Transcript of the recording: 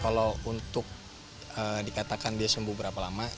kalau untuk dikatakan dia sembuh berapa lama